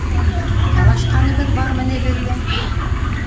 Талашҡаныбыҙ бармы ни беҙҙең?